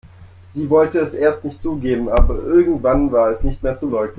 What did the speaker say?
Sie wollte es erst nicht zugeben, aber irgendwann war es nicht mehr zu leugnen.